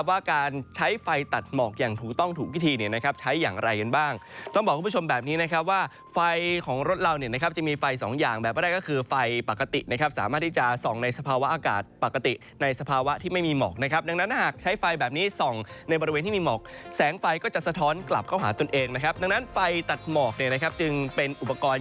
ว่าการใช้ไฟตัดหมอกอย่างถูกต้องถูกที่ทีเนี่ยนะครับใช้อย่างไรกันบ้างต้องบอกคุณผู้ชมแบบนี้นะครับว่าไฟของรถเราเนี่ยนะครับจะมีไฟสองอย่างแบบก็ได้ก็คือไฟปกตินะครับสามารถที่จะส่องในสภาวะอากาศปกติในสภาวะที่ไม่มีหมอกนะครับดังนั้นหากใช้ไฟแบบนี้ส่องในบริเวณที่มีหมอกแสงไฟก็จะสะท้อน